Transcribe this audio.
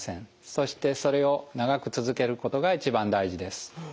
そしてそれを長く続けることが一番大事です。